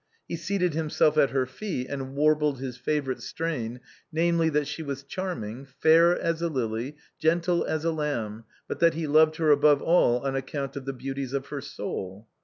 He seated himself at her feet and warbled his favor ite strain, namely, that she was charming, fair as a lily, gen tle as a lamb, but that he loved her above all on account of the beauties of her soul.